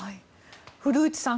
古内さん